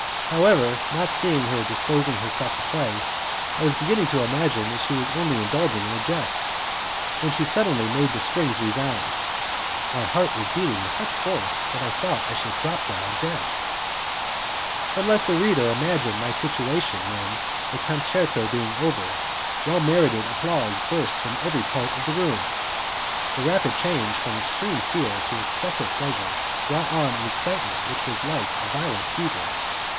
However, not seeing her disposing herself to play, I was beginning to imagine that she had only been indulging in a jest, when she suddenly made the strings resound. My heart was beating with such force that I thought I should drop down dead. But let the reader imagine my situation when, the concerto being over, well merited applause burst from every part of the room! The rapid change from extreme fear to excessive pleasure brought on an excitement which was like a violent fever.